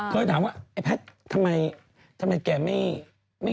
เคยถามว่าไอ้แพทย์ทำไมแกไม่